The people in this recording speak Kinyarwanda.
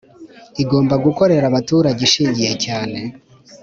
Igomba gukorera abaturage ishingiye cyane